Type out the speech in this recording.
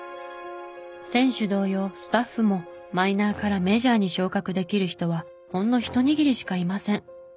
選手同様スタッフもマイナーからメジャーに昇格できる人はほんの一握りしかいません。